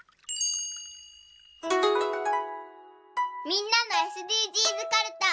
みんなのＳＤＧｓかるた。